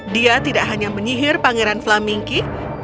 dia tidak hanya menyihir pangeran flamingki